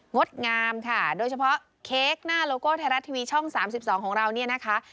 ดงามค่ะโดยเฉพาะเค้กหน้าโลโก้ไทยรัฐทีวีช่อง๓๒ของเราเนี่ยนะคะ